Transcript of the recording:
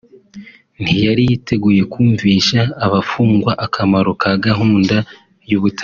ntiyari yiteguye kumvisha abafungwa akamaro ka gahunda y’ubutabera